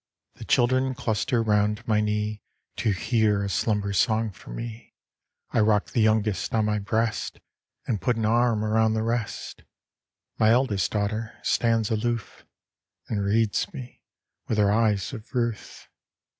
The children cluster round my knee To hear a slumber song from me. 1 rock the youngest on my breast, And put an arm about the rest. My eldest daughter stands aloof, And reads me with her eyes of ruth.